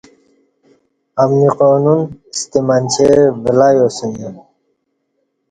امنی قانون ستہ منچے ولیاسوم